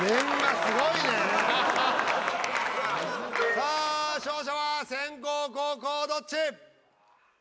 さあ勝者は先攻後攻どっち？